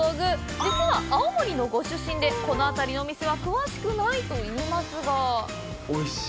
実は青森県のご出身でこの辺りのお店は詳しくないといいますがおいしい